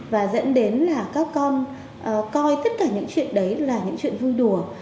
và dẫn đến là các con coi tất cả những chuyện đấy là những chuyện vui đùa